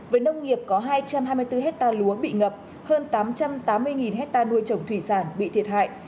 với nông nghiệp có hai trăm hai mươi bốn hectare lúa bị ngập hơn tám trăm tám mươi hectare nuôi trồng thủy sản bị thiệt hại